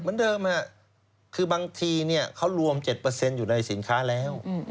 เหมือนเดิมคือบางทีเขารวม๗อยู่ในสินค้าแล้ว